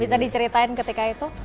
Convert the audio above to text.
bisa diceritain ketika itu